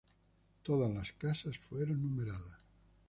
Todas las casas fueron numeradas.